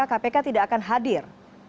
kpk tidak akan hadir